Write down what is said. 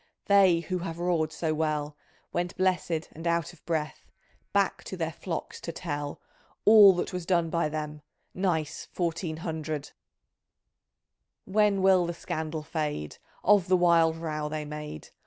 They who have roared so well Went blessed, and out of breath, Back to their flocks to tell All that was done by them — Nice fourteen hundred I When will the scandal fade Of the wild row they made